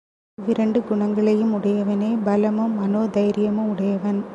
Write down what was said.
இவ்விரண்டு குணங்களையும் உடையவனே பலமும் மனோதைரியமும் உடையவன்.